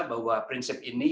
bahwa prinsip ini